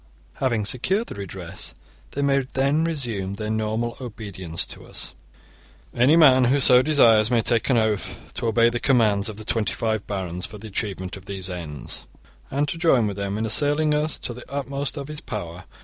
Having secured the redress, they may then resume their normal obedience to us. * Any man who so desires may take an oath to obey the commands of the twenty five barons for the achievement of these ends, and to join with them in assailing us to the utmost of his power.